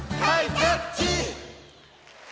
タッチ！」